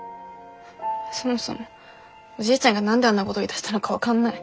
そもそもおじいちゃんが何であんなごど言いだしたのか分かんない。